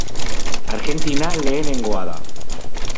Argentina lehenengoa da.